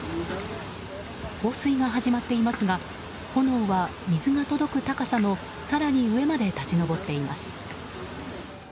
放水が始まっていますが炎が、水が届く高さの更に上まで立ち上っています。